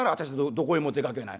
どこへも出かけない。